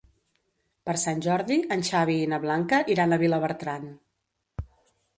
Per Sant Jordi en Xavi i na Blanca iran a Vilabertran.